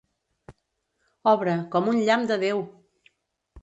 -Obra, com un llamp de Déu!